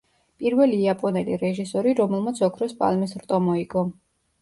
პირველი იაპონელი რეჟისორი, რომელმაც ოქროს პალმის რტო მოიგო.